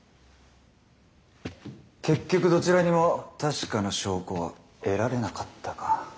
結局どちらにも確かな証拠は得られなかったか。